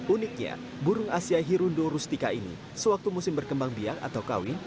uniknya burung asia hirundo rustika ini sewaktu musim berkembang biak atau kawin